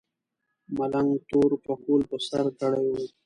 ملنګ تور پکول په سر کړی و.